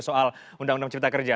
soal undang undang cipta kerja